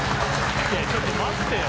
いやちょっと待ってよ